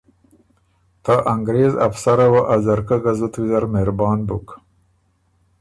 ته انګرېز افسره وه ا ځرکۀ ګه زُت ویزر مهربان بُک